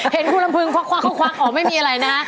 เห็นคุณลำพึงควักควักอ๋อไม่มีอะไรนะ